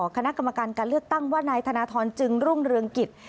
คณะกรรมการการเลือกตั้งว่านายธนทรจึงรุ่งเรืองกิจ